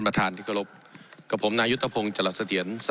ผมอภิปรายเรื่องการขยายสมภาษณ์รถไฟฟ้าสายสีเขียวนะครับ